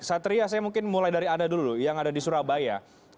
satria saya mungkin mulai dari anda dulu yang ada di surabaya